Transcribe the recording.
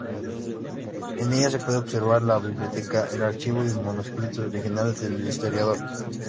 En ella se puede observar la biblioteca, el archivo y manuscritos originales del historiador.